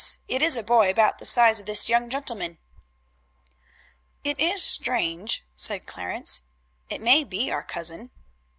It is a boy about the size of this young gentleman." "It is strange," said Clarence. "It may be our cousin."